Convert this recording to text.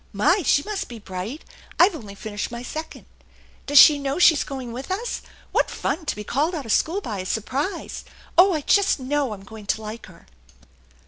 My! She must be bright. I've only finished my second. Does she know she's going with us? What fun to be called out of school by a surprise! Oh, I just know I'm going to like her."